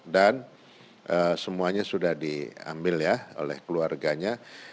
dan semuanya sudah diambil ya oleh keluarganya